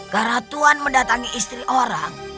karena tuhan mendatangi istri orang